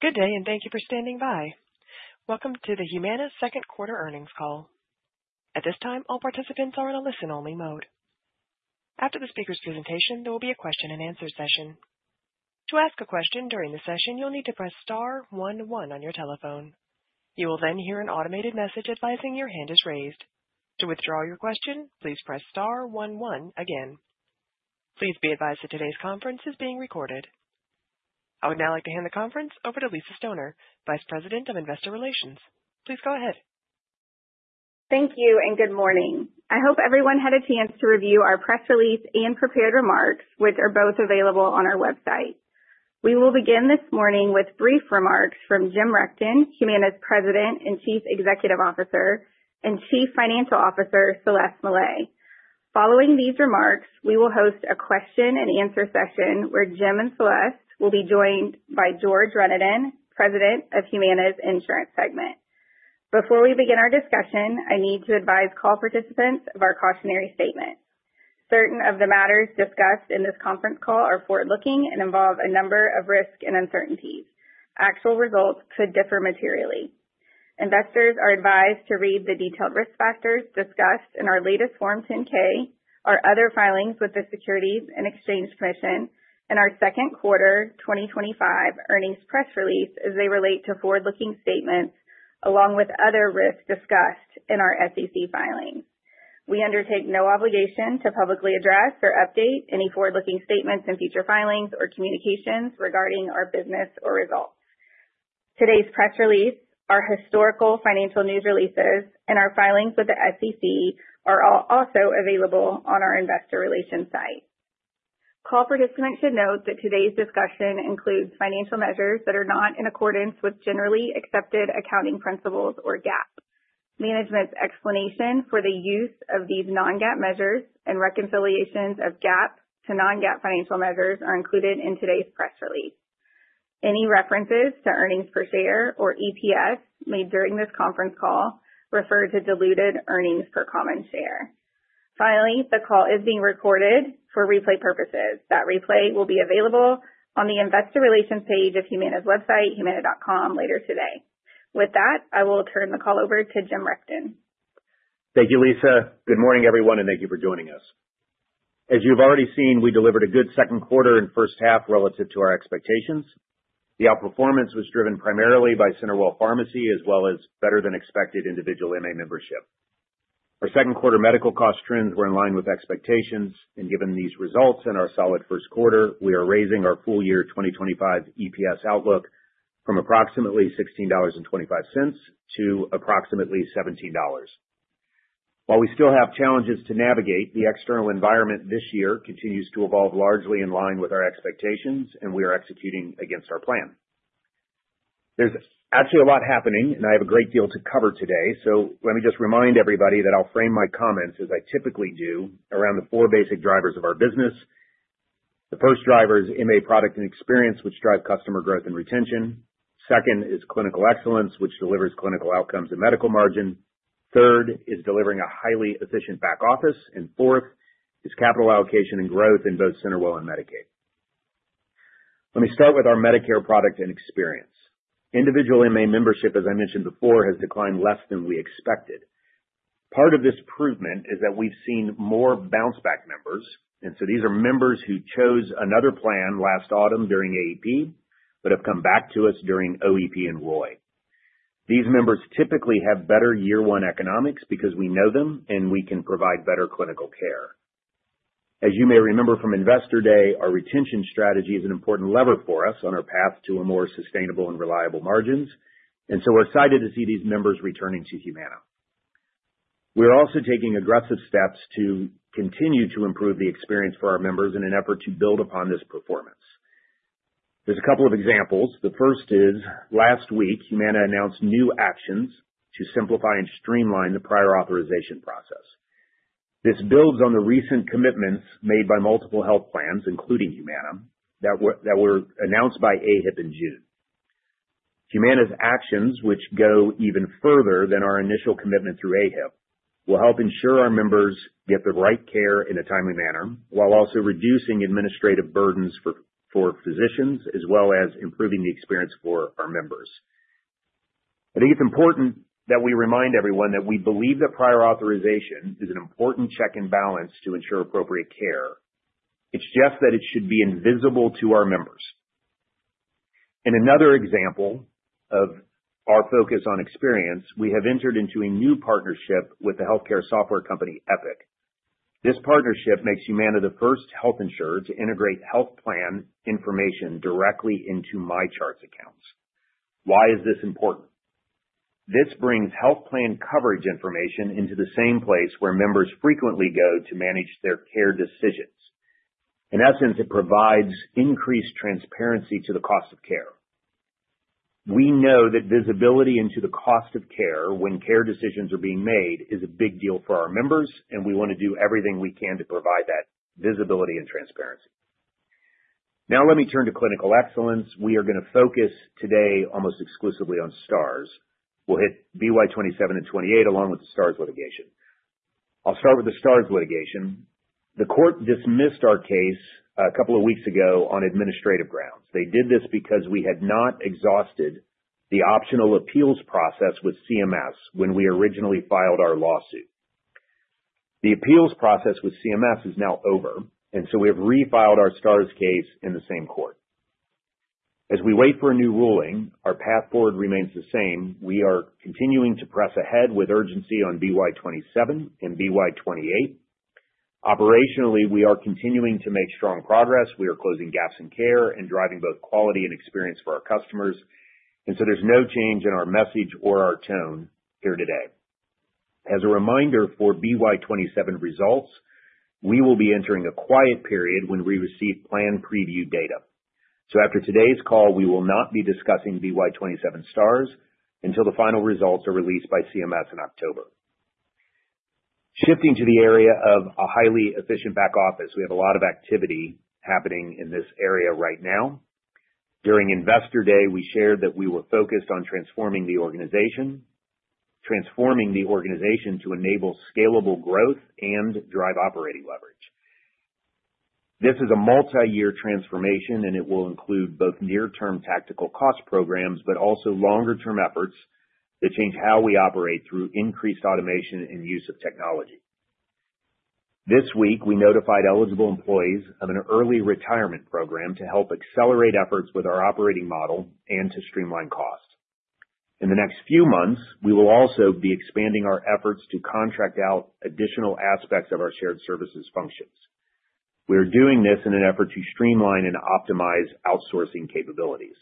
Good day, and thank you for standing by. Welcome to the Humana second-quarter earnings call. At this time, all participants are in a listen-only mode. After the speaker's presentation, there will be a question-and-answer session. To ask a question during the session, you'll need to press star one one on your telephone. You will then hear an automated message advising your hand is raised. To withdraw your question, please press star one one again. Please be advised that today's conference is being recorded. I would now like to hand the conference over to Lisa Stoner, Vice President of Investor Relations. Please go ahead. Thank you, and good morning. I hope everyone had a chance to review our press release and prepared remarks, which are both available on our website. We will begin this morning with brief remarks from Jim Rechtin, Humana's President and Chief Executive Officer, and Chief Financial Officer, Celeste Milas. Following these remarks, we will host a question-and-answer session where Jim and Celeste will be joined by George Renaudin, President of Humana's Insurance Segment. Before we begin our discussion, I need to advise call participants of our cautionary statement. Certain of the matters discussed in this conference call are forward-looking and involve a number of risks and uncertainties. Actual results could differ materially. Investors are advised to read the detailed risk factors discussed in our latest Form 10-K, our other filings with the Securities and Exchange Commission, and our second-quarter 2025 earnings press release as they relate to forward-looking statements along with other risks discussed in our SEC filings. We undertake no obligation to publicly address or update any forward-looking statements in future filings or communications regarding our business or results. Today's press release, our historical financial news releases, and our filings with the SEC are also available on our investor relations site. Call participants should note that today's discussion includes financial measures that are not in accordance with generally accepted accounting principles or GAAP. Management's explanation for the use of these non-GAAP measures and reconciliations of GAAP to non-GAAP financial measures are included in today's press release. Any references to earnings per share or EPS made during this conference call refer to diluted earnings per common share. Finally, the call is being recorded for replay purposes. That replay will be available on the investor relations page of Humana's website, humana.com, later today. With that, I will turn the call over to Jim Rechtin. Thank you, Lisa. Good morning, everyone, and thank you for joining us. As you've already seen, we delivered a good second quarter and first half relative to our expectations. The outperformance was driven primarily by CenterWell Pharmacy as well as better-than-expected individual MA membership. Our second-quarter medical cost trends were in line with expectations, and given these results and our solid first quarter, we are raising our full-year 2025 EPS outlook from approximately $16.25 to approximately $17. While we still have challenges to navigate, the external environment this year continues to evolve largely in line with our expectations, and we are executing against our plan. There's actually a lot happening, and I have a great deal to cover today, so let me just remind everybody that I'll frame my comments as I typically do around the four basic drivers of our business. The first driver is MA product and experience, which drive customer growth and retention. Second is clinical excellence, which delivers clinical outcomes and medical margin. Third is delivering a highly efficient back office. And fourth is capital allocation and growth in both CenterWell and Medicaid. Let me start with our Medicare product and experience. Individual MA membership, as I mentioned before, has declined less than we expected. Part of this improvement is that we've seen more bounce-back members, and so these are members who chose another plan last autumn during AEP but have come back to us during OEP and ROI. These members typically have better year-one economics because we know them, and we can provide better clinical care. As you may remember from Investor Day, our retention strategy is an important lever for us on our path to more sustainable and reliable margins, and so we're excited to see these members returning to Humana. We're also taking aggressive steps to continue to improve the experience for our members in an effort to build upon this performance. There's a couple of examples. The first is last week, Humana announced new actions to simplify and streamline the prior authorization process. This builds on the recent commitments made by multiple health plans, including Humana, that were announced by AHIP in June. Humana's actions, which go even further than our initial commitment through AHIP, will help ensure our members get the right care in a timely manner while also reducing administrative burdens for physicians as well as improving the experience for our members. I think it's important that we remind everyone that we believe that prior authorization is an important check and balance to ensure appropriate care. It's just that it should be invisible to our members. In another example of our focus on experience, we have entered into a new partnership with the healthcare software company Epic. This partnership makes Humana the first health insurer to integrate health plan information directly into MyChart accounts. Why is this important? This brings health plan coverage information into the same place where members frequently go to manage their care decisions. In essence, it provides increased transparency to the cost of care. We know that visibility into the cost of care when care decisions are being made is a big deal for our members, and we want to do everything we can to provide that visibility and transparency. Now, let me turn to clinical excellence. We are going to focus today almost exclusively on STARS. We'll hit BY2027 and BY2028 along with the STARS litigation. I'll start with the STARS litigation. The court dismissed our case a couple of weeks ago on administrative grounds. They did this because we had not exhausted the optional appeals process with CMS when we originally filed our lawsuit. The appeals process with CMS is now over, and so we have refiled our STARS case in the same court. As we wait for a new ruling, our path forward remains the same. We are continuing to press ahead with urgency on BY 27 and BY 28. Operationally, we are continuing to make strong progress. We are closing gaps in care and driving both quality and experience for our customers, and so there's no change in our message or our tone here today. As a reminder for BY2027 results, we will be entering a quiet period when we receive plan preview data. After today's call, we will not be discussing BY2027 STARS until the final results are released by CMS in October. Shifting to the area of a highly efficient back office, we have a lot of activity happening in this area right now. During Investor Day, we shared that we were focused on transforming the organization. Transforming the organization to enable scalable growth and drive operating leverage. This is a multi-year transformation, and it will include both near-term tactical cost programs but also longer-term efforts to change how we operate through increased automation and use of technology. This week, we notified eligible employees of an early retirement program to help accelerate efforts with our operating model and to streamline costs. In the next few months, we will also be expanding our efforts to contract out additional aspects of our shared services functions. We are doing this in an effort to streamline and optimize outsourcing capabilities.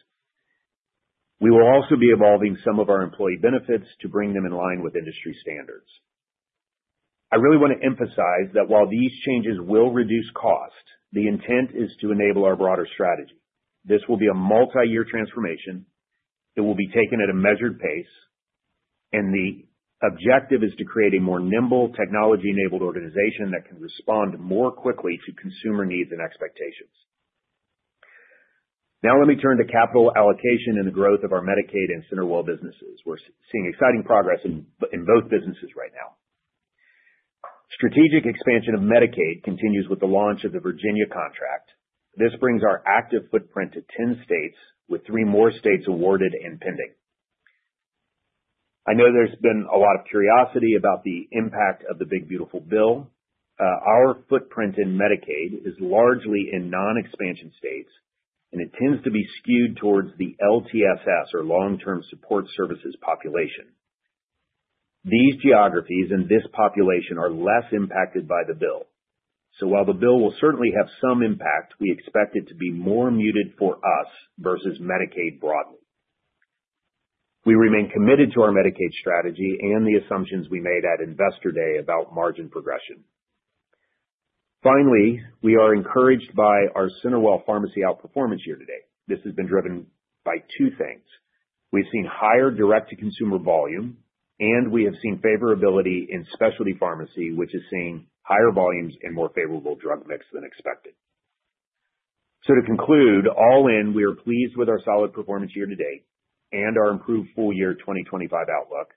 We will also be evolving some of our employee benefits to bring them in line with industry standards. I really want to emphasize that while these changes will reduce cost, the intent is to enable our broader strategy. This will be a multi-year transformation. It will be taken at a measured pace, and the objective is to create a more nimble, technology-enabled organization that can respond more quickly to consumer needs and expectations. Now, let me turn to capital allocation and the growth of our Medicaid and CenterWell businesses. We're seeing exciting progress in both businesses right now. Strategic expansion of Medicaid continues with the launch of the Virginia contract. This brings our active footprint to 10 states, with three more states awarded and pending. I know there's been a lot of curiosity about the impact of the Big Beautiful Bill. Our footprint in Medicaid is largely in non-expansion states, and it tends to be skewed towards the LTSS, or long-term services and supports population. These geographies and this population are less impacted by the bill. So while the bill will certainly have some impact, we expect it to be more muted for us versus Medicaid broadly. We remain committed to our Medicaid strategy and the assumptions we made at Investor Day about margin progression. Finally, we are encouraged by our CenterWell Pharmacy outperformance year-to-date. This has been driven by two things. We've seen higher direct-to-consumer volume, and we have seen favorability in specialty pharmacy, which is seeing higher volumes and more favorable drug mix than expected. To conclude, all in, we are pleased with our solid performance year-to-date and our improved full year 2025 outlook.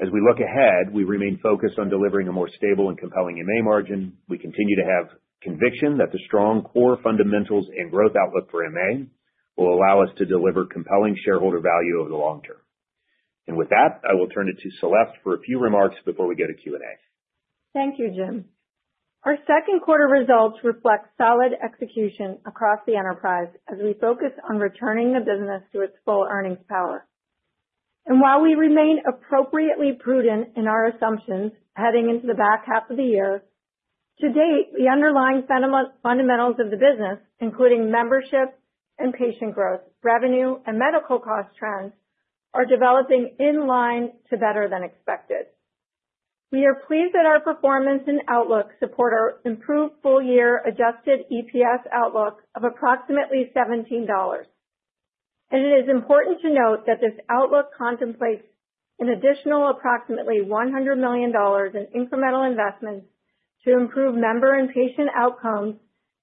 As we look ahead, we remain focused on delivering a more stable and compelling MA margin. We continue to have conviction that the strong core fundamentals and growth outlook for MA will allow us to deliver compelling shareholder value over the long term. With that, I will turn it to Celeste for a few remarks before we go to Q&A. Thank you, Jim. Our second quarter results reflect solid execution across the enterprise as we focus on returning the business to its full earnings power. While we remain appropriately prudent in our assumptions heading into the back half of the year, to date, the underlying fundamentals of the business, including membership and patient growth, revenue, and medical cost trends, are developing in line to better than expected. We are pleased that our performance and outlook support our improved full year adjusted EPS outlook of approximately $17. It is important to note that this outlook contemplates an additional approximately $100 million in incremental investments to improve member and patient outcomes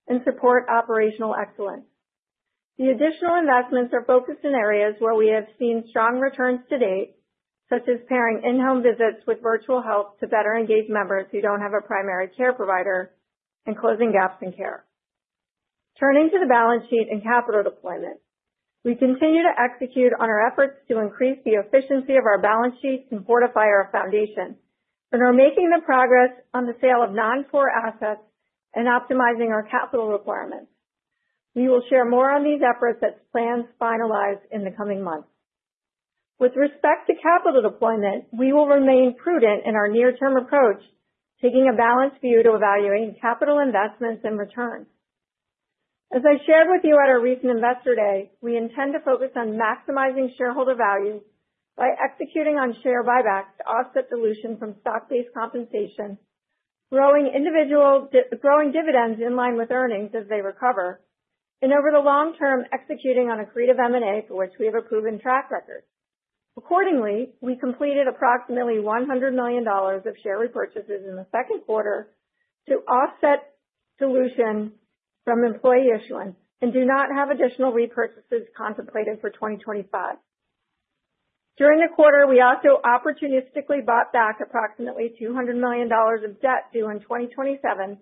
and support operational excellence. The additional investments are focused in areas where we have seen strong returns to date, such as pairing in-home visits with virtual health to better engage members who do not have a primary care provider and closing gaps-in-care. Turning to the balance sheet and capital deployment, we continue to execute on our efforts to increase the efficiency of our balance sheet and fortify our foundation, and we are making progress on the sale of non-core assets and optimizing our capital requirements. We will share more on these efforts as plans finalize in the coming months. With respect to capital deployment, we will remain prudent in our near-term approach, taking a balanced view to evaluating capital investments and returns. As I shared with you at our recent Investor Day, we intend to focus on maximizing shareholder value by executing on share buybacks to offset dilution from stock-based compensation, growing dividends in line with earnings as they recover, and over the long term, executing on accretive M&A for which we have a proven track record. Accordingly, we completed approximately $100 million of share repurchases in the second quarter to offset dilution from employee issuance and do not have additional repurchases contemplated for 2025. During the quarter, we also opportunistically bought back approximately $200 million of debt due in 2027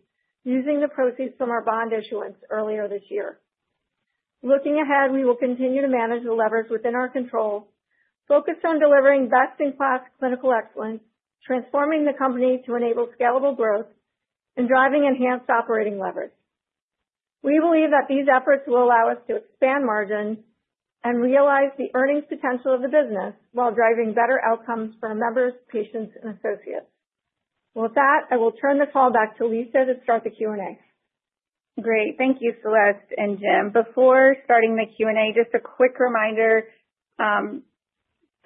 using the proceeds from our bond issuance earlier this year. Looking ahead, we will continue to manage the levers within our control, focus on delivering best-in-class clinical excellence, transforming the company to enable scalable growth, and driving enhanced operating leverage. We believe that these efforts will allow us to expand margin and realize the earnings potential of the business while driving better outcomes for members, patients, and associates. With that, I will turn the call back to Lisa to start the Q&A. Great. Thank you, Celeste and Jim. Before starting the Q&A, just a quick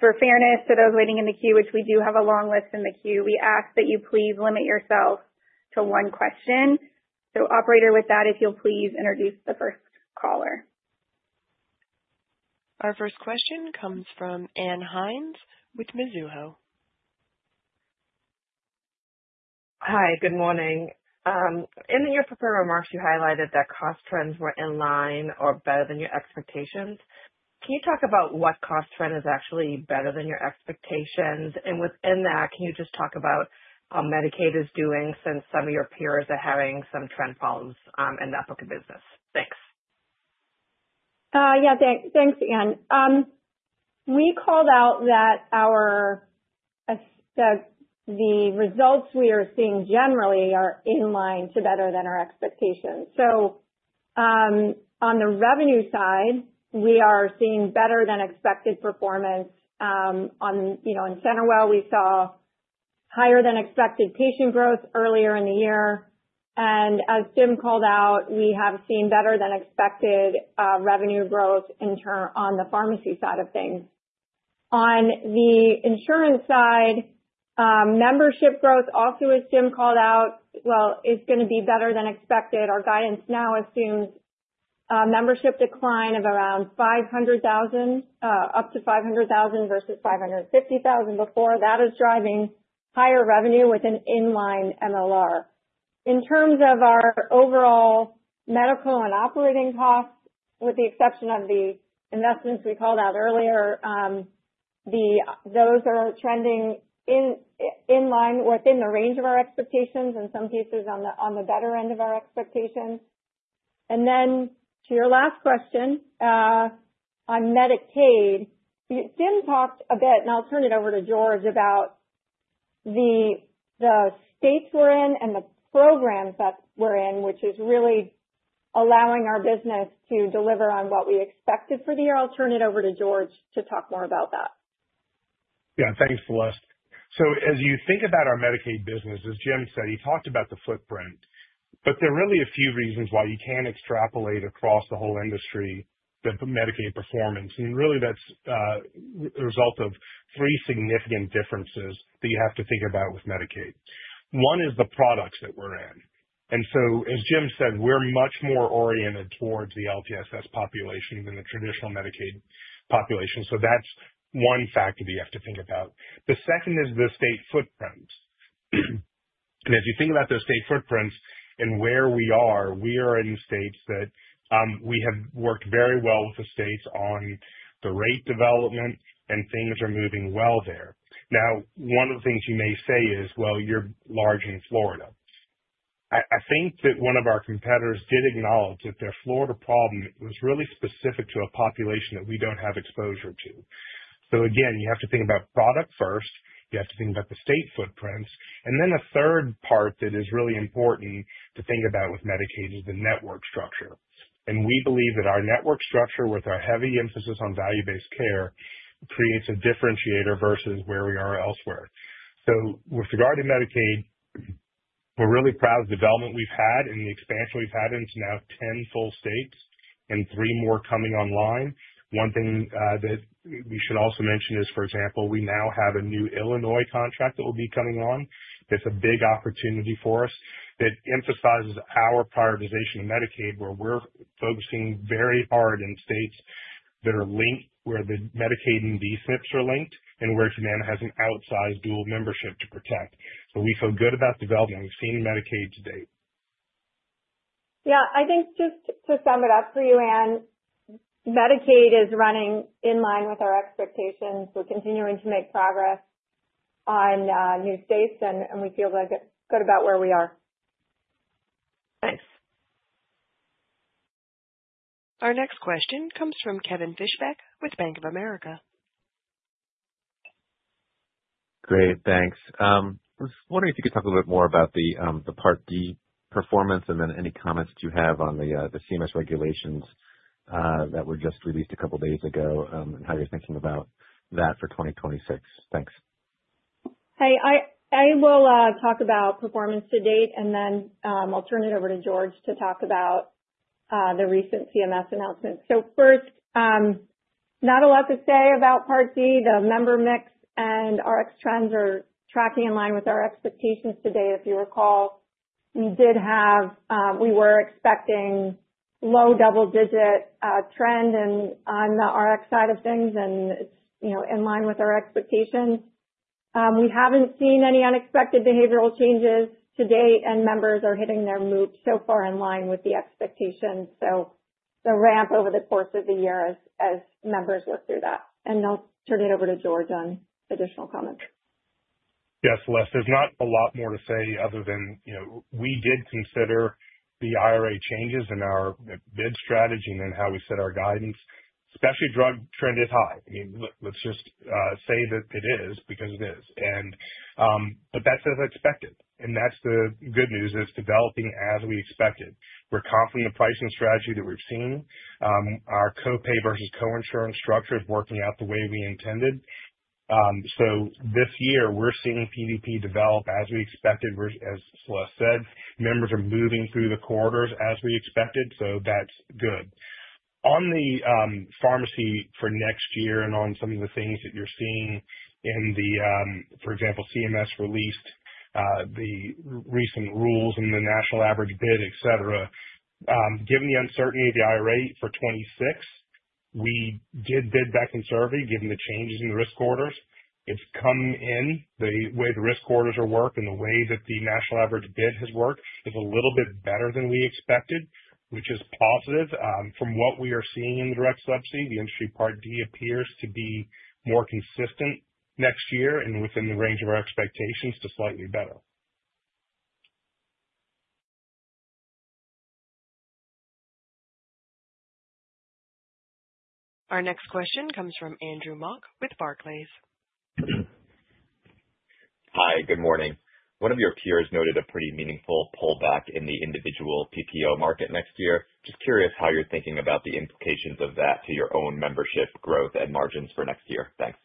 reminder. For fairness to those waiting in the queue, which we do have a long list in the queue, we ask that you please limit yourself to one question. Operator, with that, if you'll please introduce the first caller. Our first question comes from Ann Hynes with Mizuho. Hi, good morning. In your prepared remarks, you highlighted that cost trends were in line or better than your expectations. Can you talk about what cost trend is actually better than your expectations? Within that, can you just talk about how Medicaid is doing since some of your peers are having some trend problems in the public business? Thanks. Yeah, thanks, Anne. We called out that. The results we are seeing generally are in line to better than our expectations. On the revenue side, we are seeing better than expected performance. In CenterWell, we saw higher than expected patient growth earlier in the year. As Jim called out, we have seen better than expected revenue growth on the pharmacy side of things. On the insurance side, membership growth, also as Jim called out, is going to be better than expected. Our guidance now assumes membership decline of around 500,000, up to 500,000 versus 550,000 before. That is driving higher revenue with an inline MLR. In terms of our overall medical and operating costs, with the exception of the investments we called out earlier, those are trending in line within the range of our expectations, in some cases on the better end of our expectations. To your last question on Medicaid, Jim talked a bit, and I'll turn it over to George about the states we're in and the programs that we're in, which is really allowing our business to deliver on what we expected for the year. I'll turn it over to George to talk more about that. Yeah, thanks, Celeste. As you think about our Medicaid business, as Jim said, he talked about the footprint, but there are really a few reasons why you can't extrapolate across the whole industry the Medicaid performance. That's the result of three significant differences that you have to think about with Medicaid. One is the products that we're in. As Jim said, we're much more oriented towards the LTSS population than the traditional Medicaid population. That's one factor that you have to think about. The second is the state footprint. As you think about those state footprints and where we are, we are in states that we have worked very well with the states on the rate development, and things are moving well there. One of the things you may say is, you're large in Florida. I think that one of our competitors did acknowledge that their Florida problem was really specific to a population that we don't have exposure to. You have to think about product first. You have to think about the state footprints. A third part that is really important to think about with Medicaid is the network structure. We believe that our network structure, with our heavy emphasis on value-based care, creates a differentiator versus where we are elsewhere. With regard to Medicaid, we're really proud of the development we've had and the expansion we've had into now 10 full states and three more coming online. One thing that we should also mention is, for example, we now have a new Illinois contract that will be coming on. That's a big opportunity for us that emphasizes our prioritization of Medicaid, where we're focusing very hard in states that are linked, where the Medicaid and DSNPs are linked, and where Humana has an outsized dual membership to protect. We feel good about the development we've seen in Medicaid to date. Yeah, I think just to sum it up for you, Anne, Medicaid is running in line with our expectations. We're continuing to make progress on new states, and we feel good about where we are. Thanks. Our next question comes from Kevin Fischbeck with Bank of America. Great, thanks. I was wondering if you could talk a little bit more about the performance and then any comments that you have on the CMS regulations that were just released a couple of days ago and how you're thinking about that for 2026. Thanks. Hey, I will talk about performance to date, and then I'll turn it over to George to talk about the recent CMS announcements. First, not a lot to say about Part D, the member mix, and Rx trends are tracking in line with our expectations today. If you recall, we did have—we were expecting a low double-digit trend on the Rx side of things, and it's in line with our expectations. We haven't seen any unexpected behavioral changes to date, and members are hitting their MoOPs so far in line with the expectations. The ramp over the course of the year as members work through that. I'll turn it over to George on additional comments. Yeah, Celeste, there's not a lot more to say other than we did consider the IRA changes in our bid strategy and then how we set our guidance. Specialty drug trend is high. I mean, let's just say that it is because it is. That is as expected. That is the good news, it is developing as we expected. We're confident in the pricing strategy that we've seen. Our copay versus coinsurance structure is working out the way we intended. This year, we're seeing PDP develop as we expected, as Celeste said. Members are moving through the corridors as we expected, that is good. On the pharmacy for next year and on some of the things that you're seeing in the, for example, CMS released, the recent rules in the national average bid, et cetera. Given the uncertainty of the IRA for 2026. We did bid back and survey given the changes in the risk corridors. It has come in, the way the risk corridors have worked and the way that the national average bid has worked is a little bit better than we expected, which is positive. From what we are seeing in the direct subsidy, the industry Part D appears to be more consistent next year and within the range of our expectations to slightly better. Our next question comes from Andrew Mok with Barclays. Hi, good morning. One of your peers noted a pretty meaningful pullback in the individual PPO market next year. Just curious how you're thinking about the implications of that to your own membership growth and margins for next year. Thanks.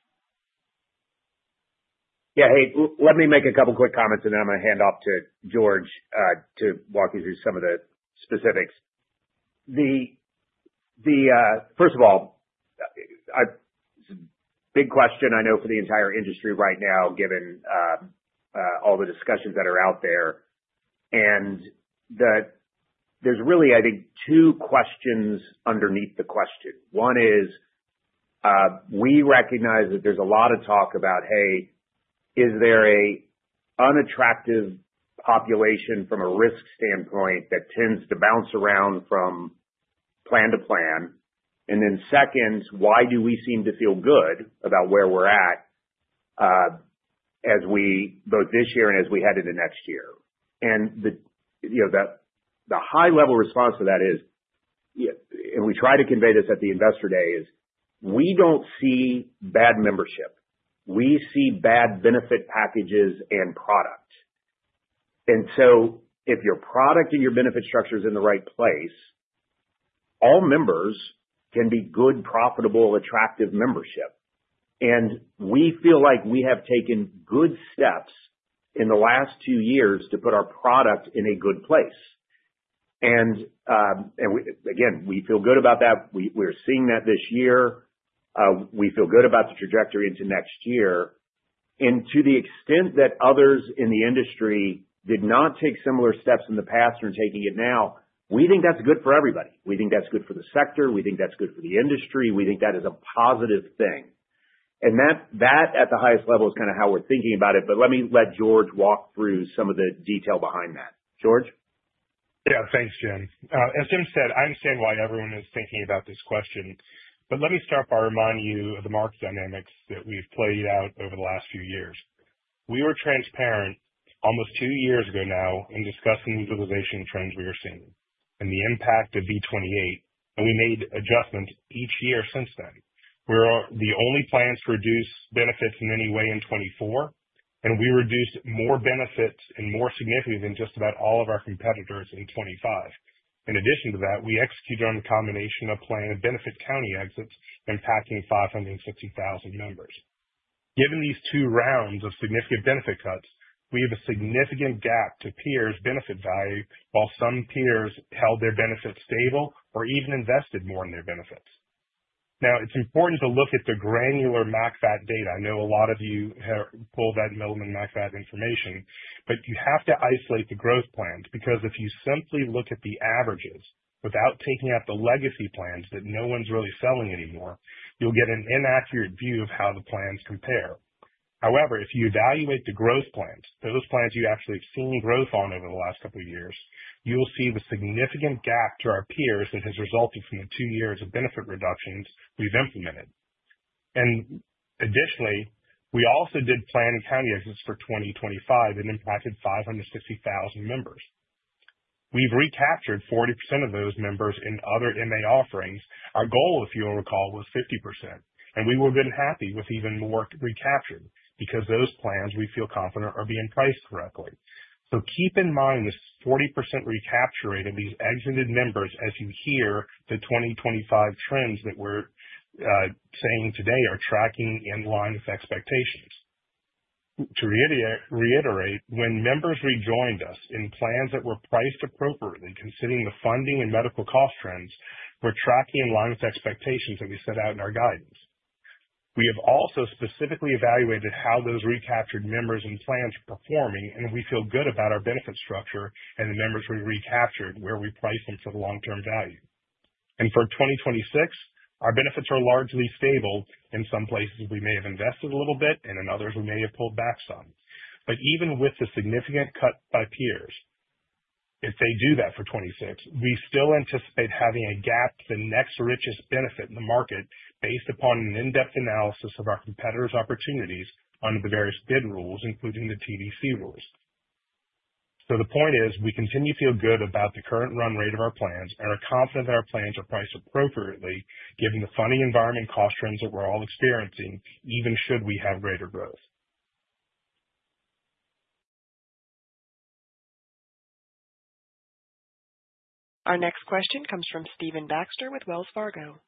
Yeah, hey, let me make a couple of quick comments, and then I'm going to hand off to George to walk you through some of the specifics. First of all, it's a big question, I know, for the entire industry right now, given all the discussions that are out there. There's really, I think, two questions underneath the question. One is, we recognize that there's a lot of talk about, hey, is there an unattractive population from a risk standpoint that tends to bounce around from plan to plan? And then second, why do we seem to feel good about where we're at, as we both this year and as we head into next year? The high-level response to that is, and we try to convey this at the Investor Day, is we don't see bad membership. We see bad benefit packages and product. If your product and your benefit structure is in the right place, all members can be good, profitable, attractive membership. We feel like we have taken good steps in the last two years to put our product in a good place. Again, we feel good about that. We're seeing that this year. We feel good about the trajectory into next year. To the extent that others in the industry did not take similar steps in the past and are taking it now, we think that's good for everybody. We think that's good for the sector. We think that's good for the industry. We think that is a positive thing. That, at the highest level, is kind of how we're thinking about it. Let me let George walk through some of the detail behind that. George? Yeah, thanks, Jim. As Jim said, I understand why everyone is thinking about this question. Let me start by reminding you of the market dynamics that we've played out over the last few years. We were transparent almost two years ago now in discussing the utilization trends we were seeing and the impact of V28. We made adjustments each year since then. We were the only plans to reduce benefits in any way in 2024, and we reduced more benefits and more significantly than just about all of our competitors in 2025. In addition to that, we executed on a combination of plan and benefit county exits impacting 560,000 members. Given these two rounds of significant benefit cuts, we have a significant gap to peers' benefit value while some peers held their benefits stable or even invested more in their benefits. Now, it's important to look at the granular MACFAT data. I know a lot of you have pulled that Mellman MACFAT information, but you have to isolate the growth plans because if you simply look at the averages without taking out the legacy plans that no one's really selling anymore, you'll get an inaccurate view of how the plans compare. However, if you evaluate the growth plans, those plans you actually have seen growth on over the last couple of years, you'll see the significant gap to our peers that has resulted from the two years of benefit reductions we've implemented. Additionally, we also did plan and county exits for 2025. It impacted 560,000 members. We've recaptured 40% of those members in other MA offerings. Our goal, if you'll recall, was 50%. We were good and happy with even more recaptured because those plans we feel confident are being priced correctly. Keep in mind this 40% recapture rate of these exited members as you hear the 2025 trends that we're saying today are tracking in line with expectations. To reiterate, when members rejoined us in plans that were priced appropriately, considering the funding and medical cost trends, we're tracking in line with expectations that we set out in our guidance. We have also specifically evaluated how those recaptured members and plans are performing, and we feel good about our benefit structure and the members we recaptured where we priced them for the long-term value. For 2026, our benefits are largely stable. In some places, we may have invested a little bit, and in others, we may have pulled back some. Even with the significant cut by peers. If they do that for 2026, we still anticipate having a gap to the next richest benefit in the market based upon an in-depth analysis of our competitors' opportunities under the various bid rules, including the TDC rules. The point is, we continue to feel good about the current run rate of our plans and are confident that our plans are priced appropriately given the funding environment and cost trends that we're all experiencing, even should we have greater growth. Our next question comes from Stephen Baxter with Wells Fargo.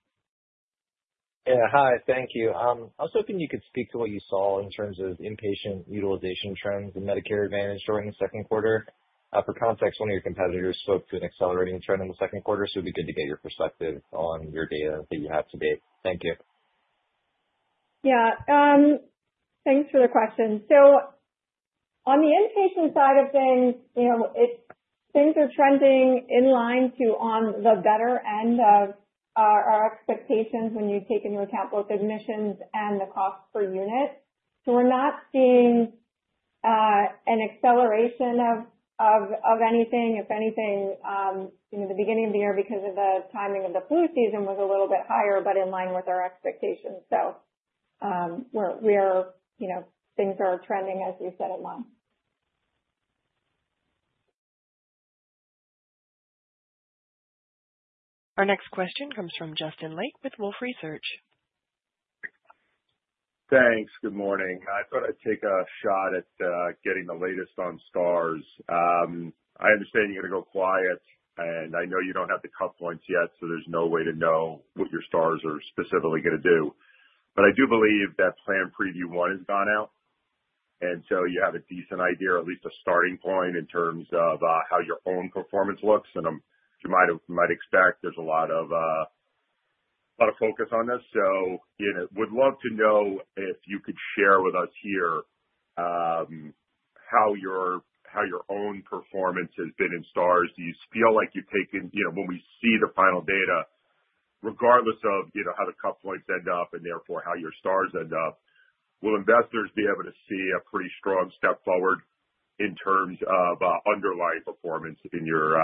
Yeah, hi, thank you. I was hoping you could speak to what you saw in terms of inpatient utilization trends in Medicare Advantage during the second quarter. For context, one of your competitors spoke to an accelerating trend in the second quarter, so it'd be good to get your perspective on your data that you have to date. Thank you. Yeah. Thanks for the question. On the inpatient side of things, things are trending in line to on the better end of our expectations when you take into account both admissions and the cost per unit. We're not seeing an acceleration of anything. If anything, the beginning of the year because of the timing of the flu season was a little bit higher, but in line with our expectations. Things are trending, as we said, in line. Our next question comes from Justin Lake with Wolfe Research. Thanks. Good morning. I thought I'd take a shot at getting the latest on STARS. I understand you're going to go quiet, and I know you don't have the cut points yet, so there's no way to know what your STARS are specifically going to do. I do believe that plan preview one has gone out. You have a decent idea, or at least a starting point, in terms of how your own performance looks. As you might expect, there's a lot of focus on this. I would love to know if you could share with us here how your own performance has been in STARS. Do you feel like you've taken, when we see the final data, regardless of how the cut points end up and therefore how your STARS end up, will investors be able to see a pretty strong step forward in terms of underlying performance in your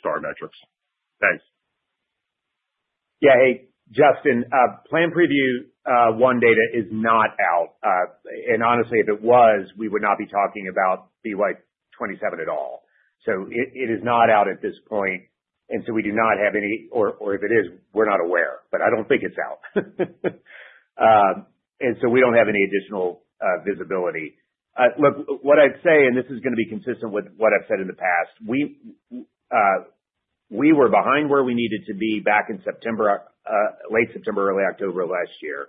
STAR metrics? Thanks. Yeah, hey, Justin, plan preview one data is not out. Honestly, if it was, we would not be talking about BY2027 at all. It is not out at this point, and we do not have any—or if it is, we're not aware. I do not think it is out, and we do not have any additional visibility. Look, what I would say—and this is going to be consistent with what I have said in the past—we were behind where we needed to be back in September, late September, early October of last year.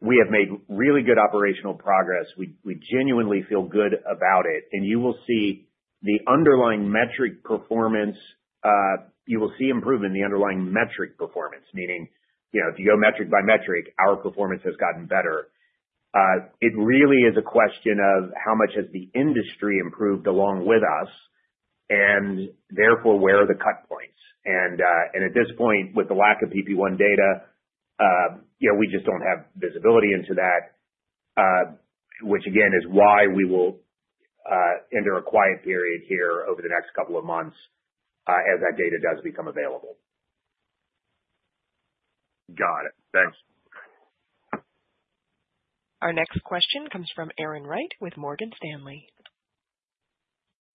We have made really good operational progress. We genuinely feel good about it. You will see the underlying metric performance. You will see improvement in the underlying metric performance, meaning if you go metric-by-metric, our performance has gotten better. It really is a question of how much has the industry improved along with us, and therefore, where are the cut points. At this point, with the lack of PP1 data, we just do not have visibility into that, which again is why we will enter a quiet period here over the next couple of months as that data does become available. Got it. Thanks. Our next question comes from Erin Wright with Morgan Stanley.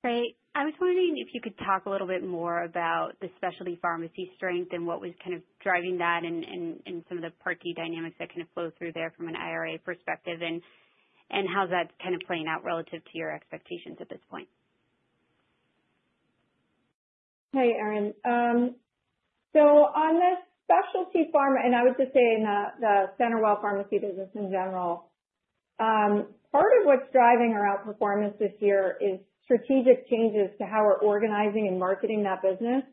Great. I was wondering if you could talk a little bit more about the specialty pharmacy strength and what was kind of driving that and some of the Part D dynamics that kind of flow through there from an IRA perspective and how that's kind of playing out relative to your expectations at this point. Hey, Aaron. On the specialty pharma—and I would just say in the CenterWell Pharmacy business in general—part of what's driving our outperformance this year is strategic changes to how we're organizing and marketing that business.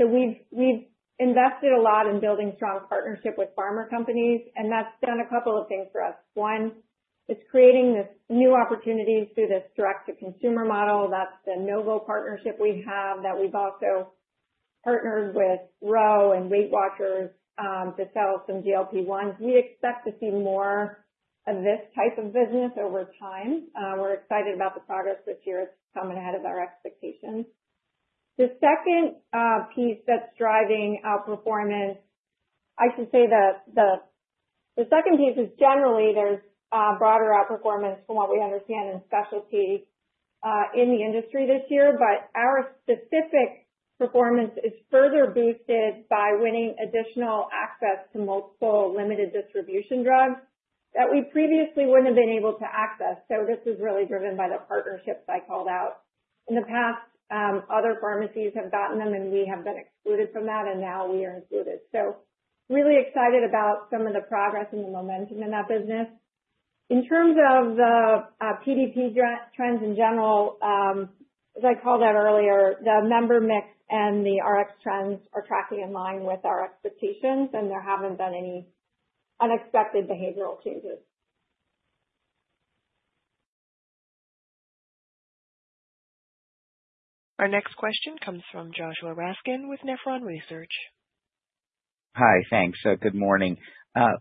We've invested a lot in building strong partnerships with pharma companies, and that's done a couple of things for us. One, it's creating new opportunities through this direct-to-consumer model. That's the Novo Nordisk partnership we have. We've also partnered with Roe and Weight Watchers to sell some GLP-1s. We expect to see more of this type of business over time. We're excited about the progress this year. It's coming ahead of our expectations. The second piece that's driving outperformance—I should say the second piece is generally there's broader outperformance from what we understand in specialty in the industry this year, but our specific performance is further boosted by winning additional access to multiple Limited Distribution Drugs that we previously wouldn't have been able to access. This is really driven by the partnerships I called out. In the past, other pharmacies have gotten them, and we have been excluded from that, and now we are included. Really excited about some of the progress and the momentum in that business. In terms of the PDP trends in general, as I called out earlier, the member mix and the Rx trends are tracking in line with our expectations, and there haven't been any unexpected behavioral changes. Our next question comes from Joshua Raskin with Nephron Research. Hi, thanks. Good morning.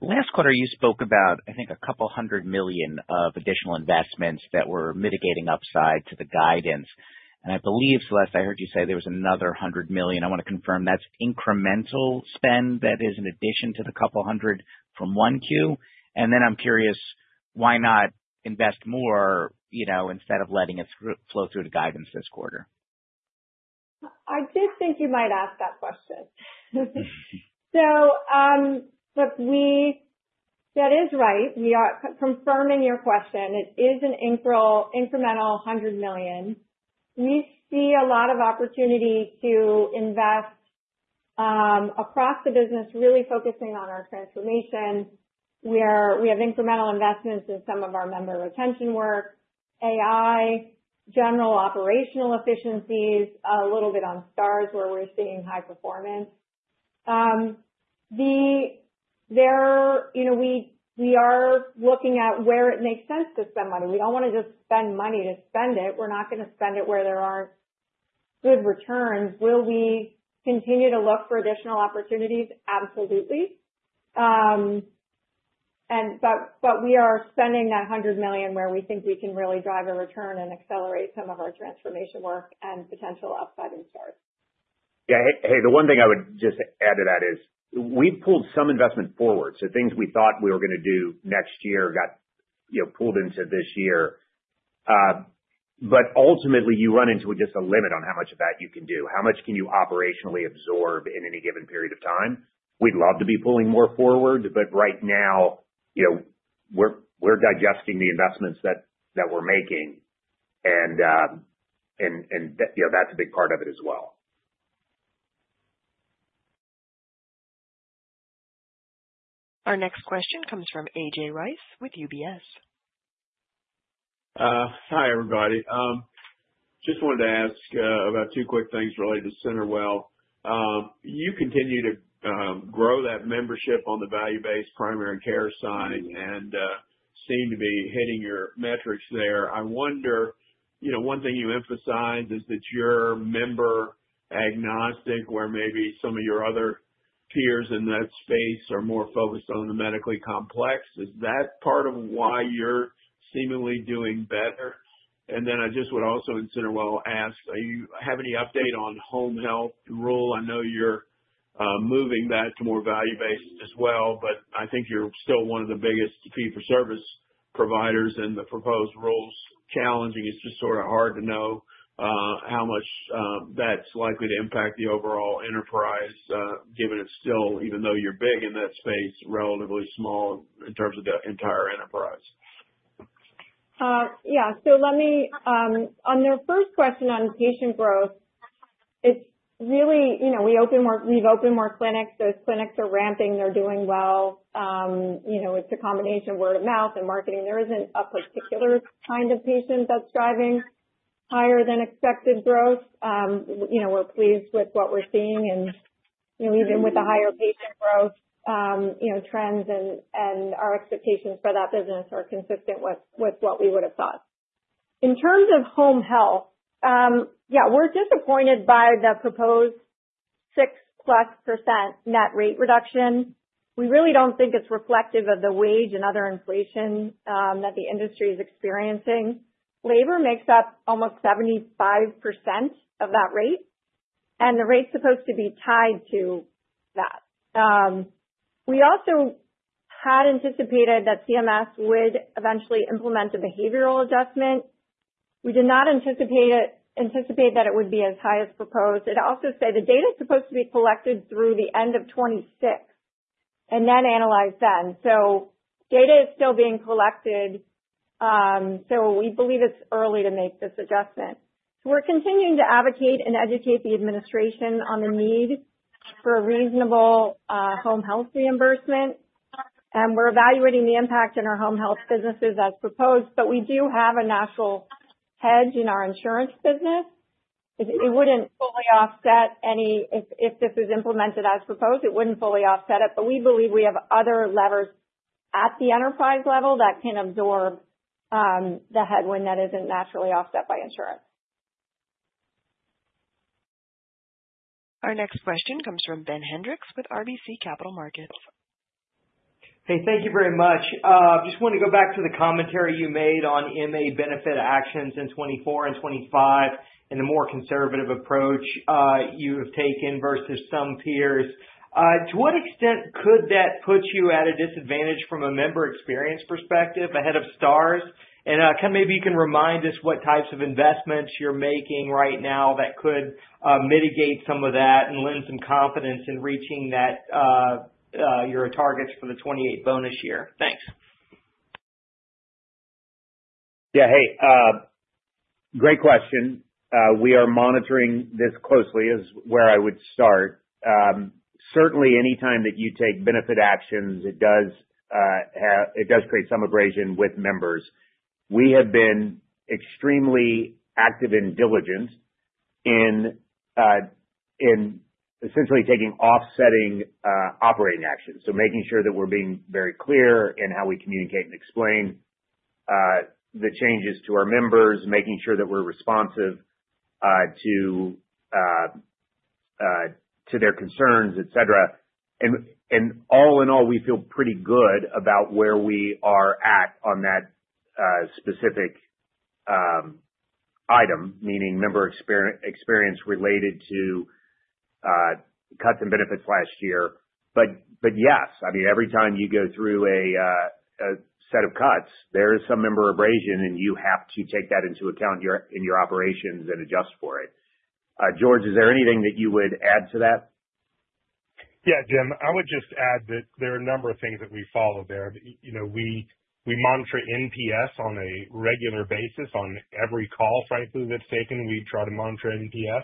Last quarter, you spoke about, I think, a couple hundred million of additional investments that were mitigating upside to the guidance. I believe, Celeste, I heard you say there was another $100 million. I want to confirm that's incremental spend that is in addition to the couple hundred from Q1. I am curious, why not invest more instead of letting it flow through the guidance this quarter? I did think you might ask that question. That is right. Confirming your question, it is an incremental $100 million. We see a lot of opportunity to invest across the business, really focusing on our transformation. Where we have incremental investments in some of our member retention work, AI, general operational efficiencies, a little bit on STARS where we're seeing high performance. We are looking at where it makes sense to spend money. We don't want to just spend money to spend it. We're not going to spend it where there aren't good returns. Will we continue to look for additional opportunities? Absolutely. We are spending that $100 million where we think we can really drive a return and accelerate some of our transformation work and potential upside in STARS. Yeah. Hey, the one thing I would just add to that is we've pulled some investment forward. So things we thought we were going to do next year got pulled into this year. Ultimately, you run into just a limit on how much of that you can do. How much can you operationally absorb in any given period of time? We'd love to be pulling more forward, but right now we're digesting the investments that we're making. That's a big part of it as well. Our next question comes from AJ Rice with UBS. Hi, everybody. Just wanted to ask about two quick things related to CenterWell. You continue to grow that membership on the value-based primary care side and seem to be hitting your metrics there. I wonder, one thing you emphasize is that you're member agnostic, where maybe some of your other peers in that space are more focused on the medically complex. Is that part of why you're seemingly doing better? I just would also in CenterWell ask, do you have any update on home health rule? I know you're moving that to more value-based as well, but I think you're still one of the biggest fee-for-service providers, and the proposed rule's challenging. It's just sort of hard to know how much that's likely to impact the overall enterprise, given it's still, even though you're big in that space, relatively small in terms of the entire enterprise. Yeah. So. On their first question on patient growth. It's really we've opened more clinics. Those clinics are ramping. They're doing well. It's a combination of word of mouth and marketing. There isn't a particular kind of patient that's driving higher-than expected growth. We're pleased with what we're seeing. Even with the higher patient growth, trends and our expectations for that business are consistent with what we would have thought. In terms of home health, yeah, we're disappointed by the proposed 6%+ net rate reduction. We really don't think it's reflective of the wage and other inflation that the industry is experiencing. Labor makes up almost 75% of that rate, and the rate's supposed to be tied to that. We also had anticipated that CMS would eventually implement a behavioral adjustment. We did not anticipate that it would be as high as proposed. It also said the data is supposed to be collected through the end of 2026 and then analyzed then. Data is still being collected. We believe it's early to make this adjustment. We're continuing to advocate and educate the administration on the need for a reasonable home health reimbursement. We're evaluating the impact in our home health businesses as proposed, but we do have a natural hedge in our insurance business. If this is implemented as proposed, it wouldn't fully offset it. We believe we have other levers at the enterprise level that can absorb the headwind that isn't naturally offset by insurance. Our next question comes from Ben Hendrix with RBC Capital Markets. Hey, thank you very much. I just wanted to go back to the commentary you made on MA benefit actions in 2024 and 2025 and the more conservative approach you have taken versus some peers. To what extent could that put you at a disadvantage from a member-experience perspective ahead of STARS? And maybe you can remind us what types of investments you're making right now that could mitigate some of that and lend some confidence in reaching your targets for the 2028 bonus year. Thanks. Yeah. Hey. Great question. We are monitoring this closely is where I would start. Certainly, anytime that you take benefit actions, it does create some abrasion with members. We have been extremely active and diligent in essentially taking offsetting operating actions. Making sure that we're being very clear in how we communicate and explain the changes to our members, making sure that we're responsive to their concerns, etc. All in all, we feel pretty good about where we are at on that specific item, meaning member experience related to cuts in benefits last year. Yes, I mean, every time you go through a set of cuts, there is some member abrasion, and you have to take that into account in your operations and adjust for it. George, is there anything that you would add to that? Yeah, Jim. I would just add that there are a number of things that we follow there. We monitor NPS on a regular basis on every call, frankly, that's taken. We try to monitor NPS.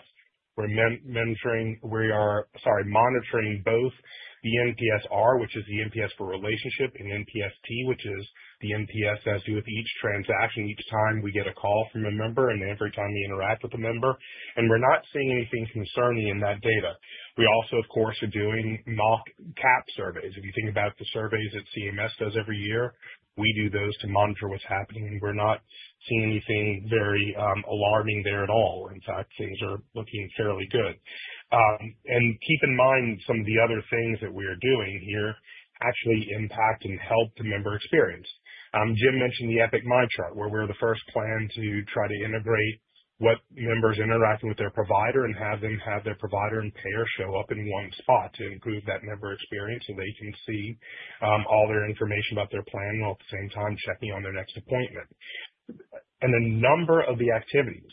We're monitoring both the NPS–R, which is the NPS for relationship, and NPS–T, which is the NPS as to each transaction each time we get a call from a member and every time we interact with a member. We're not seeing anything concerning in that data. We also, of course, are doing mock CAHPS surveys. If you think about the surveys that CMS does every year, we do those to monitor what's happening. We're not seeing anything very alarming there at all. In fact, things are looking fairly good. Keep in mind some of the other things that we are doing here actually impact and help the member experience. Jim mentioned the Epic MyChart, where we're the first plan to try to integrate what members interact with their provider and have them have their provider and payer show up in one spot to improve that member experience so they can see all their information about their plan while at the same time checking on their next appointment. A number of the activities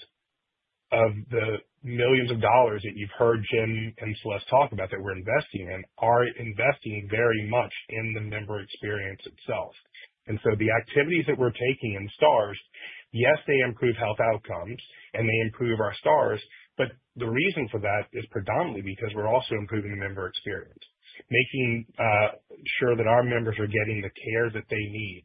of the millions of dollars that you've heard Jim and Celeste talk about that we're investing in are investing very much in the member experience itself. The activities that we're taking in STARS, yes, they improve health outcomes and they improve our STARS, but the reason for that is predominantly because we're also improving the member experience, making sure that our members are getting the care that they need.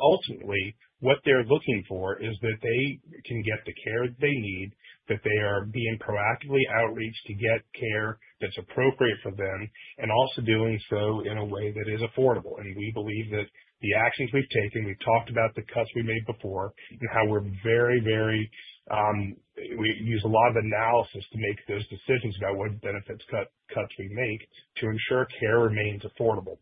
Ultimately, what they're looking for is that they can get the care they need, that they are being proactively outreached to get care that's appropriate for them, and also doing so in a way that is affordable. We believe that the actions we've taken, we've talked about the cuts we made before and how we're very, very. We use a lot of analysis to make those decisions about what benefits cuts we make to ensure care remains affordable.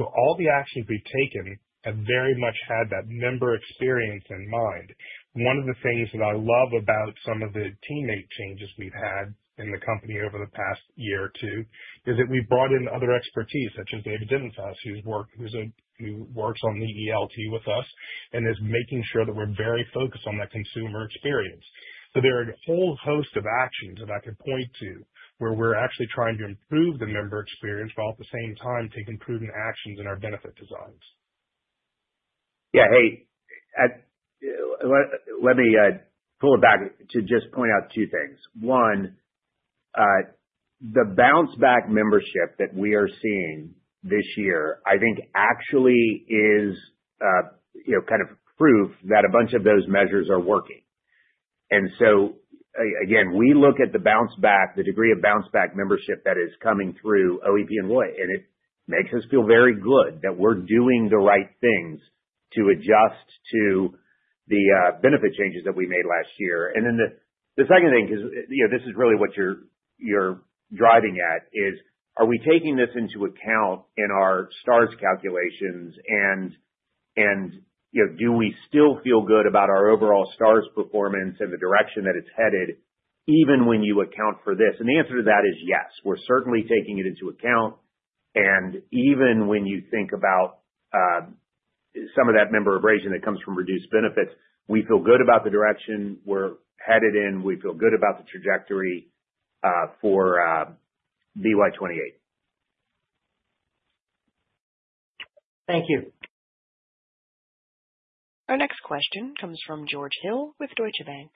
All the actions we've taken have very much had that member experience in mind. One of the things that I love about some of the teammate changes we've had in the company over the past year or two is that we brought in other expertise, such as David Diamond, who works on the ELT with us and is making sure that we're very focused on that consumer experience. There are a whole host of actions that I could point to where we're actually trying to improve the member experience while at the same time taking prudent actions in our benefit designs. Yeah. Hey. Let me pull it back to just point out two things. One. The bounce-back membership that we are seeing this year, I think, actually is kind of proof that a bunch of those measures are working. Again, we look at the bounce-back, the degree of bounce-back membership that is coming through OEP and ROI, and it makes us feel very good that we're doing the right things to adjust to the benefit changes that we made last year. The second thing, because this is really what you're driving at, is are we taking this into account in our STARS calculations and do we still feel good about our overall STARS performance and the direction that it's headed even when you account for this? The answer to that is yes. We're certainly taking it into account. Even when you think about some of that member abrasion that comes from reduced benefits, we feel good about the direction we're headed in. We feel good about the trajectory for BY2028. Thank you. Our next question comes from George Hill with Deutsche Bank.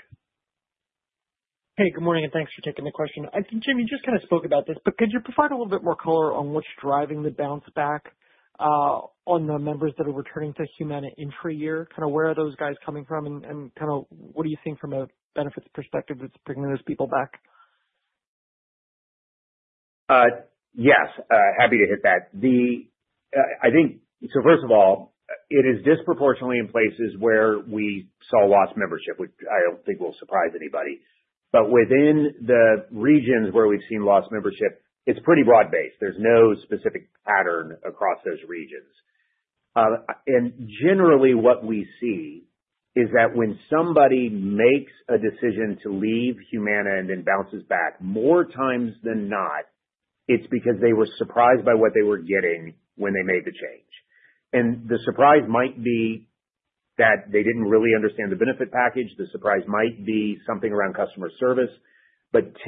Hey, good morning, and thanks for taking the question. I think, Jim, you just kind of spoke about this, but could you provide a little bit more color on what's driving the bounce-back. On the members that are returning to Humana in for a year? Kind of where are those guys coming from and kind of what do you think from a benefits perspective that's bringing those people back? Yes. Happy to hit that. I think, first of all, it is disproportionately in places where we saw lost membership, which I do not think will surprise anybody. Within the regions where we have seen lost membership, it is pretty broad-based. There is no specific pattern across those regions. Generally, what we see is that when somebody makes a decision to leave Humana and then bounces back, more times than not, it is because they were surprised by what they were getting when they made the change. The surprise might be that they did not really understand the benefit package. The surprise might be something around customer service.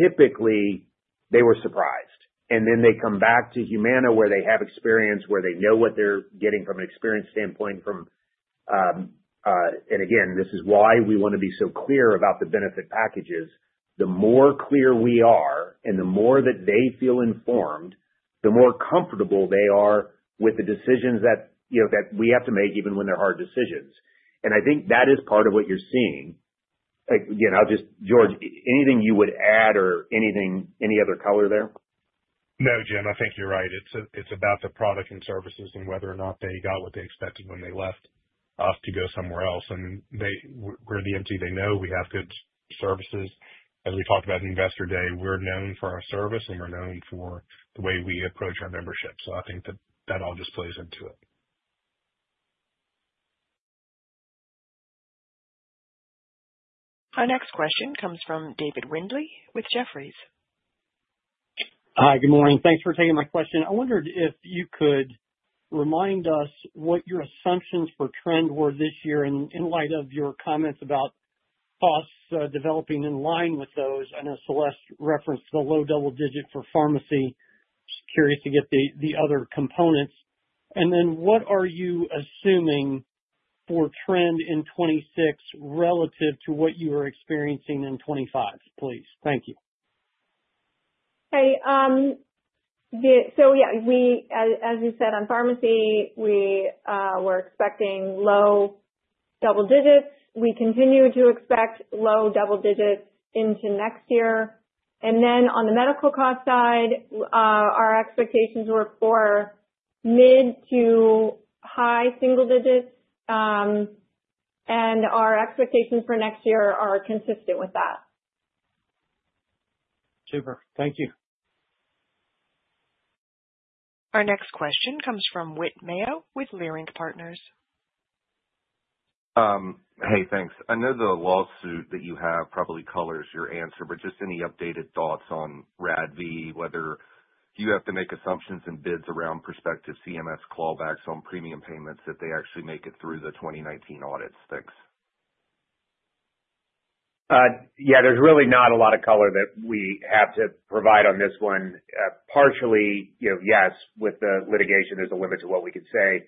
Typically, they were surprised. They come back to Humana where they have experience, where they know what they are getting from an experience standpoint. This is why we want to be so clear about the benefit packages. The more clear we are and the more that they feel informed, the more comfortable they are with the decisions that we have to make, even when they are hard decisions. I think that is part of what you are seeing. Again, I will just, George, anything you would add or any other color there? No, Jim, I think you're right. It's about the product and services and whether or not they got what they expected when they left us to go somewhere else. And we're the MT. They know we have good services. As we talked about in Investor Day, we're known for our service, and we're known for the way we approach our membership. I think that that all just plays into it. Our next question comes from David Windley with Jefferies. Hi, good morning. Thanks for taking my question. I wondered if you could remind us what your assumptions for trend were this year in light of your comments about costs developing in line with those. I know Celeste referenced the low double digit for pharmacy. Just curious to get the other components. What are you assuming for trend in 2026 relative to what you are experiencing in 2025, please? Thank you. Hey. Yeah. As you said, on pharmacy, we were expecting low double-digits. We continue to expect low double-digits into next year. On the medical cost side, our expectations were for mid-to-high single-digits. Our expectations for next year are consistent with that. Super. Thank you. Our next question comes from Whit Mayo with Leerink Partners. Hey, thanks. I know the lawsuit that you have probably colors your answer, but just any updated thoughts on RADV, whether you have to make assumptions and bids around prospective CMS clawbacks on premium payments if they actually make it through the 2019 audit sticks? Yeah, there's really not a lot of color that we have to provide on this one. Partially, yes, with the litigation, there's a limit to what we can say.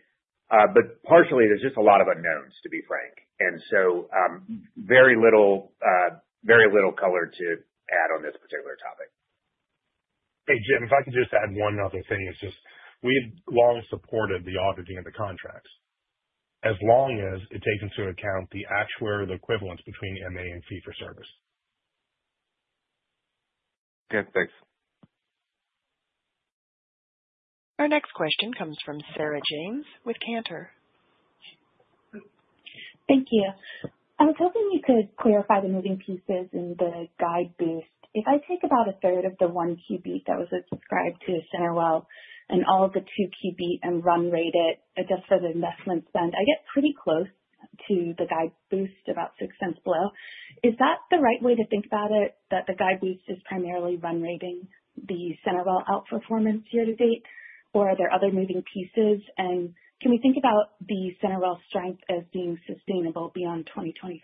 Partially, there's just a lot of unknowns, to be frank. Very little color to add on this particular topic. Hey, Jim, if I could just add one other thing, it's just we've long supported the auditing of the contracts as long as it takes into account the actuary equivalence between MA and fee for service. Okay. Thanks. Our next question comes from Sarah James with Cantor. Thank you. I was hoping you could clarify the moving pieces in the guide boost. If I take about a third of the 1Q that was subscribed to CenterWell and all of the 2Q and run rate it just for the investment spend, I get pretty close to the guide boost, about $0.06 below. Is that the right way to think about it, that the guide boost is primarily run rating the CenterWell outperformance year to date? Or are there other moving pieces? Can we think about the CenterWell strength as being sustainable beyond 2025?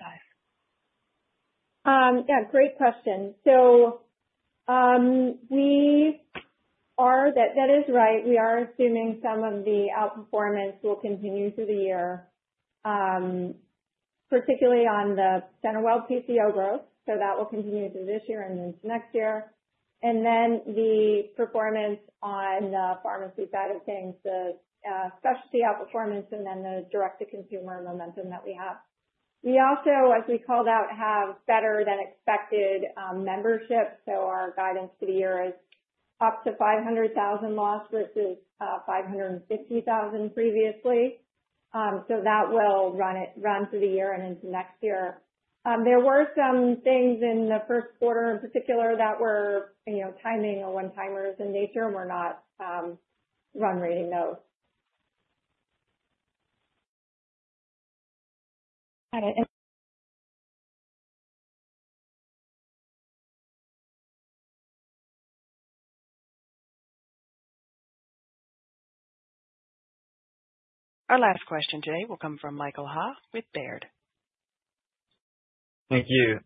Yeah, great question. That is right. We are assuming some of the outperformance will continue through the year, particularly on the CenterWell PCO growth. That will continue through this year and into next year. The performance on the pharmacy side of things, the specialty outperformance, and then the direct-to-consumer momentum that we have. We also, as we called out, have better-than-expected membership. Our guidance for the year is up to 500,000 lost versus 550,000 previously. That will run through the year and into next year. There were some things in the first quarter in particular that were timing or one-timers in nature, and we're not run rating those. Our last question today will come from Michael Hall with Baird. Thank you.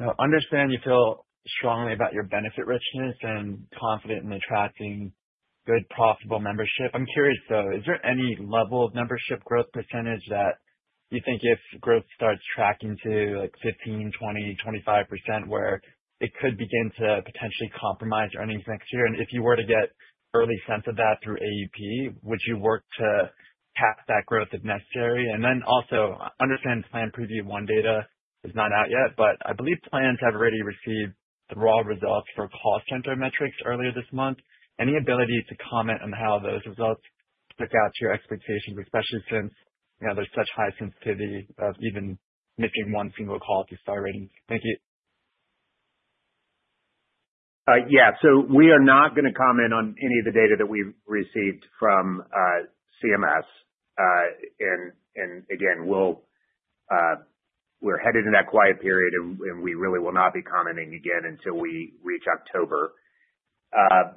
Now, I understand you feel strongly about your benefit richness and confident in attracting good, profitable membership. I'm curious, though, is there any level of membership growth percentage that you think if growth starts tracking to 15%, 20%, 25% where it could begin to potentially compromise earnings next year? If you were to get early sense of that through AEP, would you work to cap that growth if necessary? I understand plan preview one data is not out yet, but I believe plans have already received the raw results for cost center metrics earlier this month. Any ability to comment on how those results stick out to your expectations, especially since there's such high sensitivity of even missing one single call to STAR rating? Thank you. Yeah. We are not going to comment on any of the data that we've received from CMS. Again, we're headed into that quiet period, and we really will not be commenting again until we reach October. I've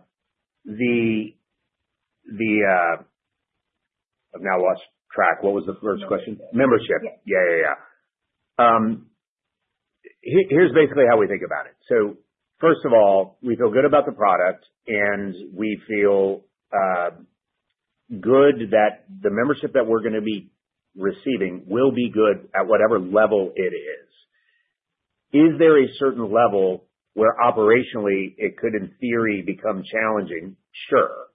now lost track. What was the first question? Membership. Membership. Yeah, yeah, yeah. Here's basically how we think about it. First of all, we feel good about the product, and we feel good that the membership that we're going to be receiving will be good at whatever level it is. Is there a certain level where operationally it could, in theory, become challenging? Sure.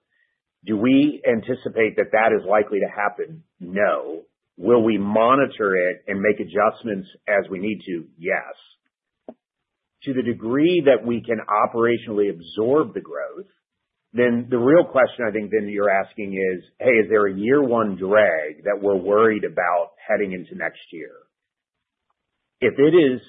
Do we anticipate that that is likely to happen? No. Will we monitor it and make adjustments as we need to? Yes. To the degree that we can operationally absorb the growth, then the real question I think then you're asking is, hey, is there a year-one drag that we're worried about heading into next year? If it is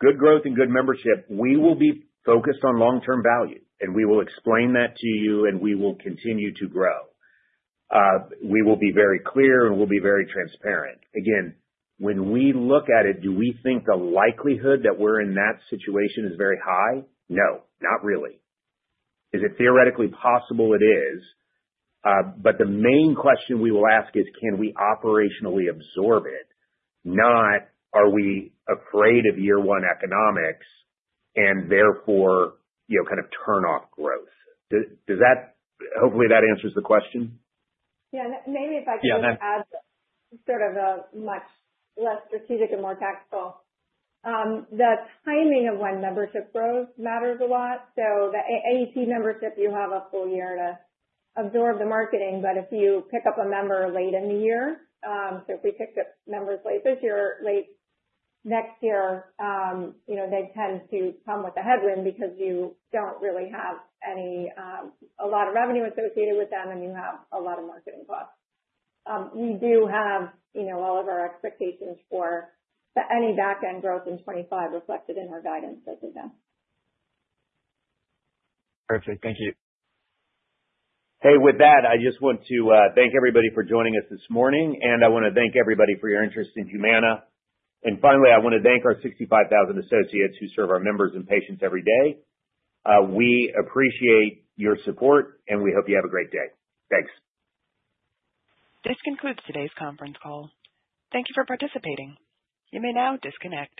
good growth and good membership, we will be focused on long-term value, and we will explain that to you, and we will continue to grow. We will be very clear, and we'll be very transparent. Again, when we look at it, do we think the likelihood that we're in that situation is very high? No, not really. Is it theoretically possible? It is. The main question we will ask is, can we operationally absorb it? Not, are we afraid of year-one economics and therefore kind of turn off growth? Hopefully, that answers the question. Yeah. Maybe if I can add sort of a much less strategic and more tactical. The timing of when membership grows matters a lot. The AEP membership, you have a full year to absorb the marketing, but if you pick up a member late in the year—if we picked up members late this year, late next year—they tend to come with a headwind because you do not really have a lot of revenue associated with them, and you have a lot of marketing costs. We do have all of our expectations for any back-end growth in 2025 reflected in our guidance as we go. Perfect. Thank you. Hey, with that, I just want to thank everybody for joining us this morning, and I want to thank everybody for your interest in Humana. Finally, I want to thank our 65,000 associates who serve our members and patients every day. We appreciate your support, and we hope you have a great day. Thanks. This concludes today's conference call. Thank you for participating. You may now disconnect.